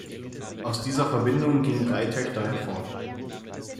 Aus dieser Verbindung gingen drei Töchter hervor.